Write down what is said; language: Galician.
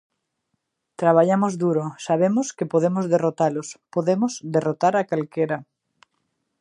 Traballamos duro, sabemos que podemos derrotalos, podemos derrotar a calquera.